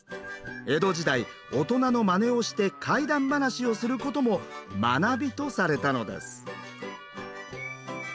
江戸時代大人のまねをして怪談ばなしをすることも「まなび」とされたのです。